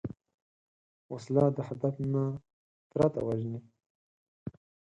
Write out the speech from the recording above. وسله د هدف نه پرته وژني